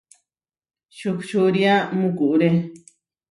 Čuhčúria mukuré.